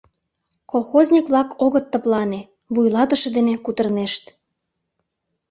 Колхозник-влак огыт тыплане, вуйлатыше дене кутырынешт: